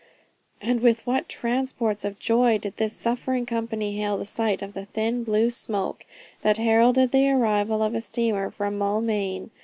And with what transports of joy did this suffering company hail the sight of the thin blue smoke that heralded the arrival of a steamer from Maulmain!